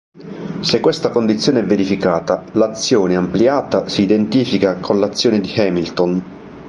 Se questa condizione è verificata, l'azione ampliata si identifica con l'azione di Hamilton.